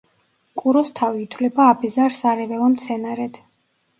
კუროსთავი ითვლება აბეზარ სარეველა მცენარედ.